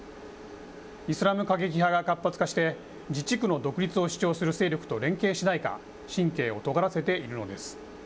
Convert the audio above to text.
イスラム過激派が活発化して、自治区の独立を主張する勢力と連携しないか、神経をとがらせているのです。